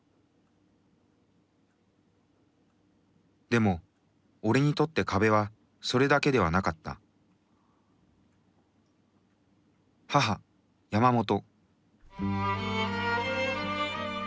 でも俺にとって壁はそれだけではなかった母山本